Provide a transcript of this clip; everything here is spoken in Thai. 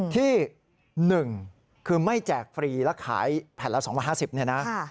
ที่๑คือไม่แจกฟรีแล้วขายแผ่นละ๒๕๐เนี่ยนะ